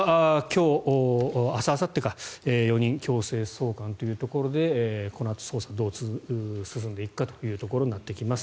明日あさって４人強制送還というところでこのあと捜査がどう進んでいくかというところになってきます。